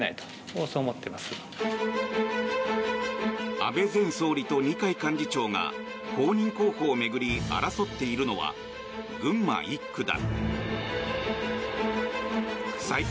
安倍前総理と二階幹事長が公認候補を巡り争っているのは群馬１区だ。